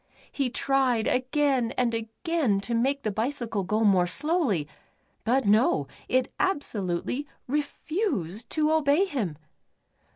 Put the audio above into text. He tried again and again to make the bicycle go more slowly, but no, it absolutely refused to obey him.